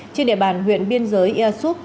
trên địa bàn huyện biên giới ia xúc